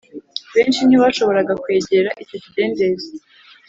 . Benshi ntibashoboraga kwegera icyo kidendezi